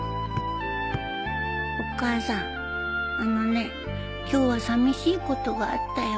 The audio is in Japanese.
お母さんあのね今日はさみしいことがあったよ